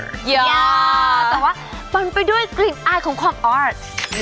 แต่ว่าปนไปด้วยกลิ่นอายของความออน